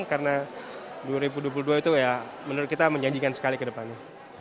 karena dua ribu dua puluh dua itu ya menurut kita menjanjikan sekali ke depannya